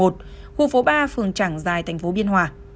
khu phố ba phường trảng giài tp biên hòa